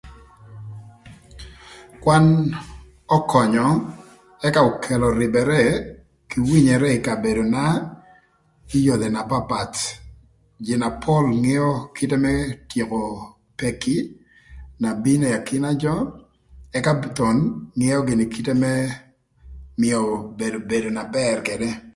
Kwan ökönyö ëka ökëlö rïbërë kï wïnyërë ï kabedona kï yodhi na papath jïï na pol ngeo kite më tyeko peki na bino ï akina jö ëka thon ngeo gïnï kite më mïö bedo na bër këdë.